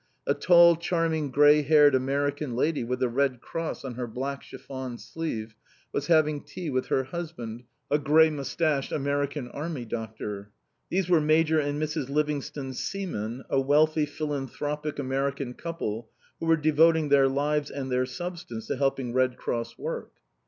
A tall, charming grey haired American lady with the Red Cross on her black chiffon sleeve was having tea with her husband, a grey moustached American Army Doctor. These were Major and Mrs. Livingstone Seaman, a wealthy philanthropic American couple, who were devoting their lives and their substance to helping Red Cross work.